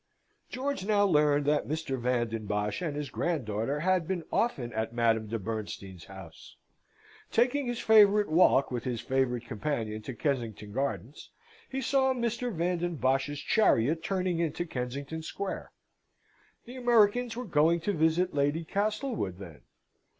George now learned that Mr. Van den Bosch and his granddaughter had been often at Madame de Bernstein's house. Taking his favourite walk with his favourite companion to Kensington Gardens, he saw Mr. Van den Bosch's chariot turning into Kensington Square. The Americans were going to visit Lady Castlewood, then?